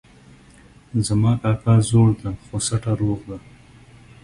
زما کاکا زوړ ده خو سټه روغ ده